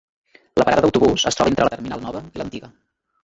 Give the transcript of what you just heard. La parada d'autobús es troba entre la terminal nova i l'antiga.